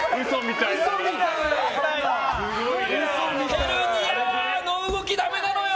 ヘルニアはあの動きダメだろうよ！